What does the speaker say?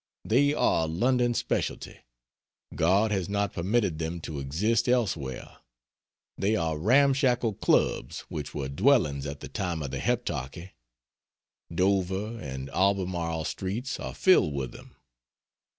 They are a London specialty, God has not permitted them to exist elsewhere; they are ramshackle clubs which were dwellings at the time of the Heptarchy. Dover and Albemarle Streets are filled with them.